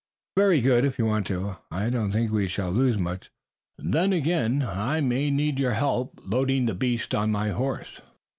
"Very good, if you want to. I don't think we shall lose much. Then again I may need your help in loading the beast on my horse."